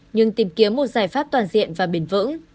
nhưng tìm kiếm một giải pháp toàn diện và bền vững